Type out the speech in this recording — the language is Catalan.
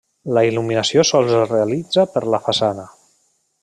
La il·luminació sols es realitza per la façana.